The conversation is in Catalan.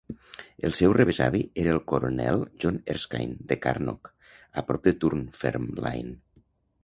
El seu rebesavi era el coronel John Erskine de Carnock, a prop de Dunfermline.